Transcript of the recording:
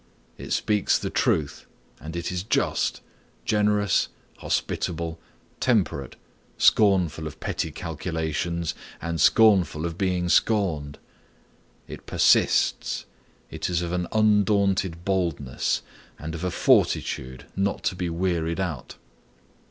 It speaks the truth and it is just, generous, hospitable, temperate, scornful of petty calculations and scornful of being scorned. It persists; it is of an undaunted boldness and of a fortitude not to be wearied out.